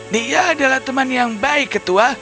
dia adalah teman yang baik ketua